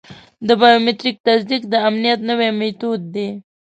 د بایومټریک تصدیق د امنیت نوی میتود دی.